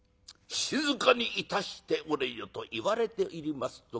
静かにいたしておれよ」と言われております